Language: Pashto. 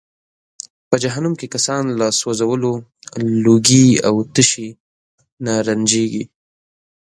په جهنم کې کسان له سوځولو، لوږې او تشې نه رنجیږي.